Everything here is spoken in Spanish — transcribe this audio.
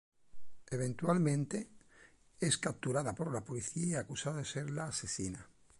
Eventualmente, es capturada por la policía y acusada de ser la asesina.